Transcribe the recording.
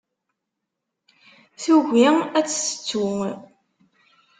Tugi ad tt-tettu.